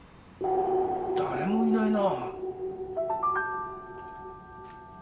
誰もいないな。